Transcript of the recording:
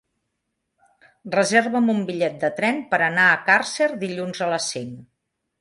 Reserva'm un bitllet de tren per anar a Càrcer dilluns a les cinc.